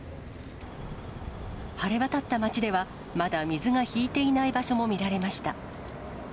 晴れ渡った街では、まだ水が引いていない場所も見られました。